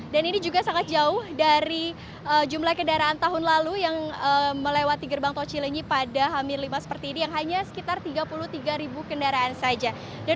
dan ini juga sangat jauh dari jumlah kendaraan tahun lalu yang melewati gerbang tol cilenyi pada hamil lima seperti ini yang hanya sekitar tiga puluh tiga kendaraan saja